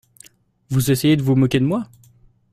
Vous essayez de vous moquer de moi ?